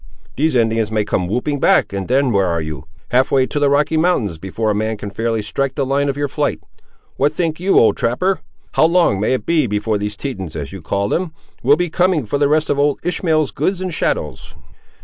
These Indians may come whooping back, and then where are you! Half way to the Rocky Mountains before a man can fairly strike the line of your flight. What think you, old trapper? How long may it be before these Tetons, as you call them, will be coming for the rest of old Ishmael's goods and chattels?"